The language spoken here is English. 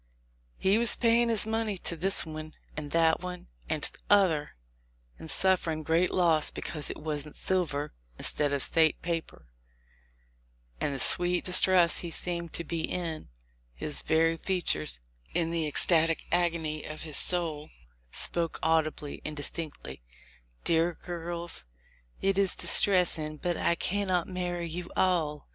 "He was paying his money to this one, and that one, and t'other one, and sufferin' great loss because it wasn't silver instead of State paper ; and the sweet distress he seemed to be in, — his very feat ures, in the ecstatic agony of his soul, spoke audibly and distinctly, 'Dear girls, it is distressing, but I cannot marry you all.